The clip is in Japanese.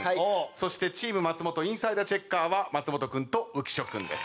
そしてチーム松本インサイダーチェッカーは松本君と浮所君です。